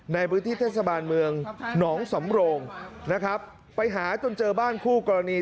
ในพื้นที่เทศบาลเมืองหนองสำโรงนะครับไปหาจนเจอบ้านคู่กรณี